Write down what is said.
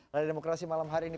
terima kasih malam hari ini